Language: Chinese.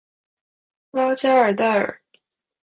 拉加尔代尔。